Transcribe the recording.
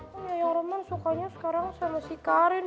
yang roman sukanya sekarang sama si karin